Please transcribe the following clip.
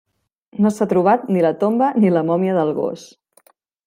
No s'ha trobat ni la tomba ni la mòmia del gos.